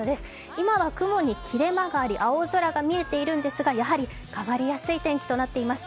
今は雲に切れ間があり青空が見えているんですがやはり変わりやすい天気となっています。